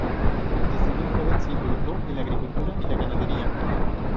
Desde muy joven se involucró en la agricultura y la ganadería.